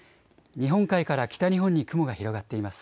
日本海から北日本に雲が広がっています。